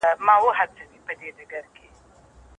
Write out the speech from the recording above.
دوی په خپلو کورونو کي بېدېدل.